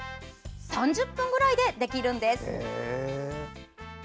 ３０分ぐらいでできるんです。